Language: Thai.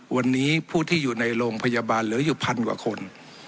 วันนี้ผู้ที่อยู่ในโรงพยาบาลเหลืออยู่พันกว่าคน